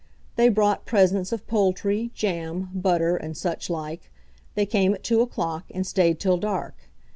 They brought presents of poultry, jam, butter, and suchlike. They came at two o'clock and stayed till dark.